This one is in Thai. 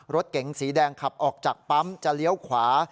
รถเก๋งสีแดงขับออกจากปั๊มจะเลี้ยวขวา